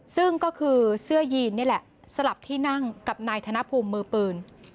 ซึ่งก็คือเสื้อยีนนี่แหละสลับที่นั่งกับนายธนภูมิมือปืน